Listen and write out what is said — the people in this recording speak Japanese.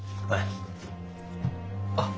あっ。